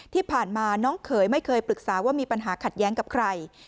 ที่ผ่านมาน้องเขยไม่เคยปรึกษาว่ามีปัญหาขัดแย้งกับใคร